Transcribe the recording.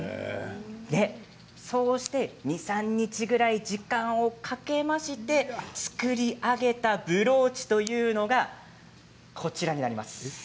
そうして２、３日ぐらい時間をかけまして作り上げたブローチというのがこちらになります。